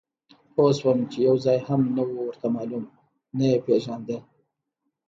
پوه شوم چې یو ځای هم نه و ورته معلوم، نه یې پېژانده.